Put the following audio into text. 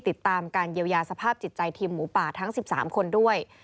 ติดตามการเยียวยาสภาพจิตใจทีมหมูป่าทั้ง๑๓คนด้วย